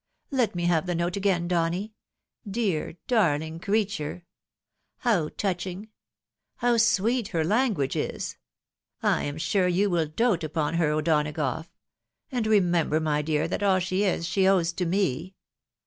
Let me have the note again Donny !— dear darling creature ! How touching — how sweet her language is ! I am sure you will dote upon her, O'Donagough ; and remember, my dear, that all she is, she owes to me.